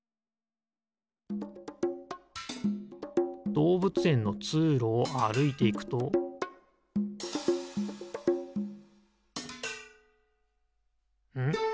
どうぶつえんのつうろをあるいていくとん？